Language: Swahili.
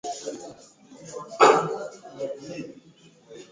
hewa kutoka vyanzo sawa Vichafuzi vingi vya hewa huathiri vibaya